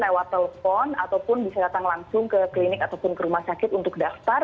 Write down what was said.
lewat telepon ataupun bisa datang langsung ke klinik ataupun ke rumah sakit untuk daftar